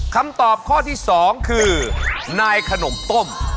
คำตอบข้อที่๒คือนายขนมต้ม